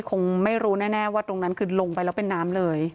คงไม่รู้แน่ว่าตรงนั้นคือลงไปแล้วเป็นน้ำเลย